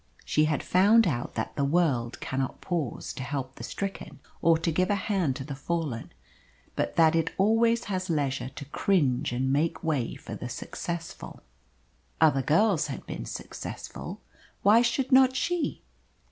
She had found out that the world cannot pause to help the stricken, or to give a hand to the fallen, but that it always has leisure to cringe and make way for the successful. Other girls had been successful. Why should not she?